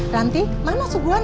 ranti mana suguhan